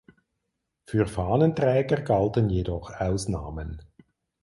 Für Fahnenträger galten jedoch Ausnahmen.